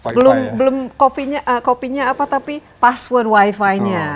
belum kopinya apa tapi password wifi nya